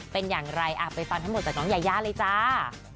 เป็นอย่างไรไปฟังทั้งหมดจากน้องยายาเลยจ้า